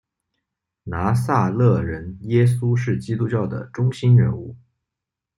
拿撒勒人耶稣是基督教的中心人物。